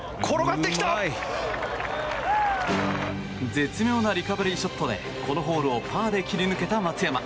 絶妙なリカバリーショットでこのホールをパーで切り抜けた松山。